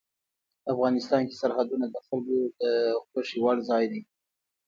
افغانستان کې سرحدونه د خلکو د خوښې وړ ځای دی.